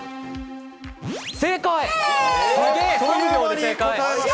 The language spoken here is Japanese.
正解！